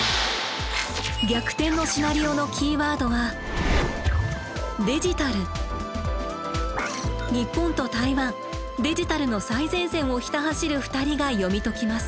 逆転のシナリオのキーワードは日本と台湾デジタルの最前線をひた走る２人が読み解きます。